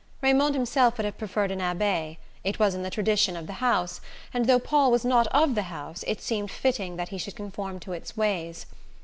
Raymond himself would have preferred an abbé: it was in the tradition of the house, and though Paul was not of the house it seemed fitting that he should conform to its ways.